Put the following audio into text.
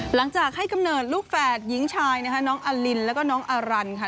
หลังจากให้กำเนิดลูกแฝดหญิงชายนะคะน้องอลินแล้วก็น้องอารันค่ะ